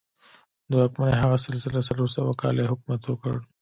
د واکمنۍ هغه سلسله څلور سوه کاله یې حکومت وکړ.